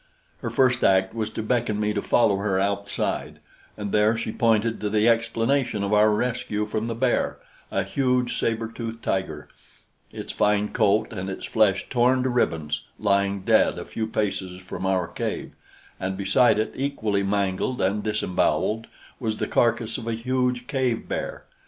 Her first act was to beckon me to follow her outside, and there she pointed to the explanation of our rescue from the bear a huge saber tooth tiger, its fine coat and its flesh torn to ribbons, lying dead a few paces from our cave, and beside it, equally mangled, and disemboweled, was the carcass of a huge cave bear.